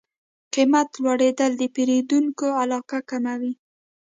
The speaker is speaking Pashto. قیمت لوړېدل د پیرودونکو علاقه کموي.